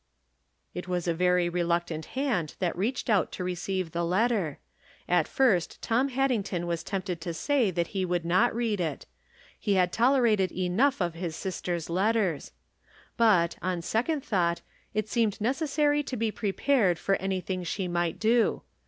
It was a very reluctant hand that reached out to receive the letter. At first Tom Haddington was tempted to say that he would not read it ; that he had tolerated enough of his sister's let ters. But, on second thought, it seemed neces sary to be prepared for anything she might do.